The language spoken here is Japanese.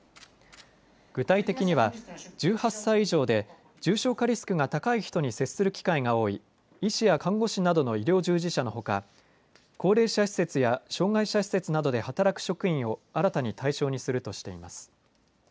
具体的には１８歳以上で重症化リスクが高い人に接する機会が多い医師や看護師などの医療従事者のほか高齢者施設や障害者施設などで働く職員を新たに対象にするとしています。